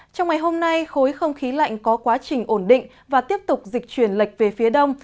trong ngày hôm nay khối không khí lạnh có quá trình ổn định và tiếp tục dịch chuyển lệch về phía đông